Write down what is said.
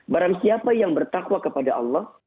barangsiapa yang bertakwa kepada allah